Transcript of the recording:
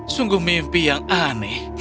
sungguh mimpi yang aneh